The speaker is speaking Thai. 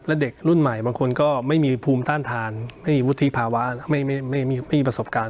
และเด็กรุ่นใหม่บางคนก็ไม่มีภูมิต้านทานไม่มีวุฒิภาวะไม่มีประสบการณ์